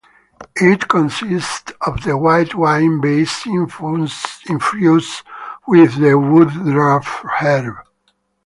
It consists of the white-wine base infused with the woodruff herb.